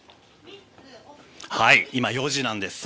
今４時なんです。